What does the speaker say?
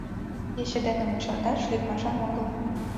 Ече дене мунчалташ лӱдмашан огыл.